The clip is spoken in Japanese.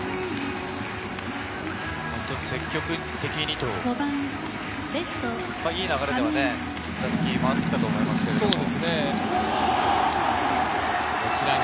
積極的にいい流れでは打席に回ってきたと思いますが。